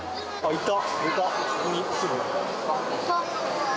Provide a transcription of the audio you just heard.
いた！